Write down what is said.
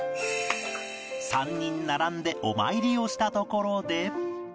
３人並んでお参りをしたところで